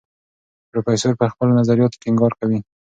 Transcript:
پروفیسور پر خپلو نظریاتو ټینګار کوي.